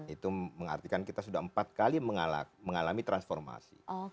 itu mengartikan kita sudah empat kali mengalami transformasi